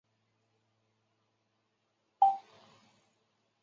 量子公设的第三条是对测量下的定义。